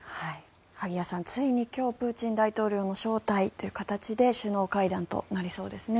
萩谷さん、ついに今日プーチン大統領の招待という形で首脳会談となりそうですね。